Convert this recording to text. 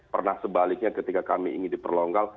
pernah sebaliknya ketika kami ingin diperlonggar